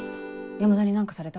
山田に何かされた？